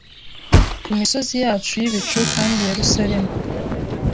kumisozi yacu yibicuKandi Yerusalemu